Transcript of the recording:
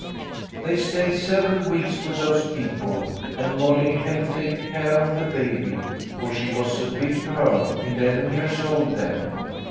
" They stayed several weeks with those people, and Molly helped take care of the baby, for she was a big girl, eleven years old, then.